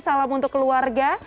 salam untuk keluarga